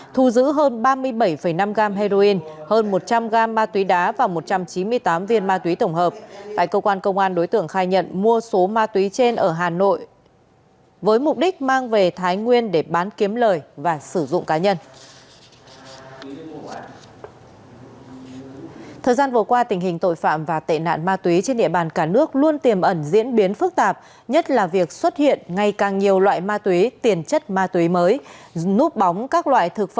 thu giữ hơn ba mươi bảy năm gram heroin hơn một trăm linh gram ma túy đá và một trăm chín mươi tám viên ma túy tổng hợp